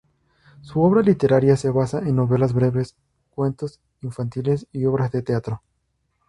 Su obra literaria se basa en novelas breves, cuentos infantiles y obras de teatro.